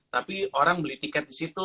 tapi orang beli tiket di situ